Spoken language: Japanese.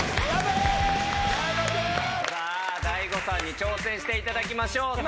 ＤＡＩＧＯさんに挑戦していただきましょう。